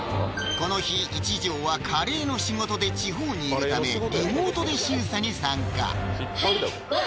この日一条はカレーの仕事で地方にいるためリモートで審査に参加はい